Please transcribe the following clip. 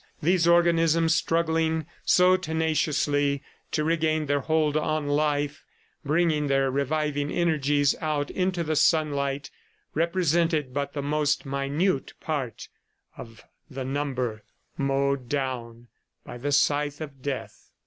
These organisms, struggling so tenaciously to regain their hold on life, bringing their reviving energies out into the sunlight, represented but the most minute part of the number mowed down by the scythe of Death.